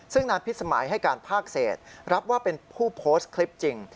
ซึ่งนางพิษสมัยให้การภาคเศษรับว่าเป็นผู้โพสต์คลิปจริง